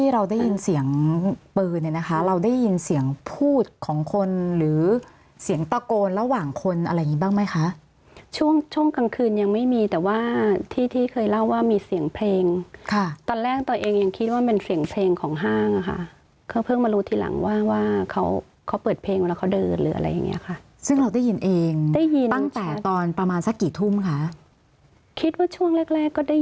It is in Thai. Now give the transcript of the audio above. เราได้ยินเสียงพูดของคนหรือเสียงตะโกนระหว่างคนอะไรอย่างนี้บ้างไหมคะช่วงกลางคืนยังไม่มีแต่ว่าที่เคยเล่าว่ามีเสียงเพลงตอนแรกตัวเองยังคิดว่าเป็นเสียงเพลงของห้างค่ะเพิ่งมารู้ทีหลังว่าเขาเปิดเพลงแล้วเขาเดินหรืออะไรอย่างนี้ค่ะซึ่งเราได้ยินเองตั้งแต่ตอนประมาณสักกี่ทุ่มค่ะคิดว่าช่วงแรกก็ได